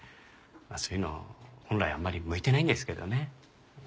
そういうの本来あんまり向いてないんですけどね。